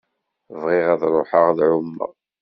Bɣiɣ ad ṛuḥeɣ ad ɛummeɣ.